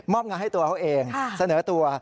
งานให้ตัวเขาเองเสนอตัว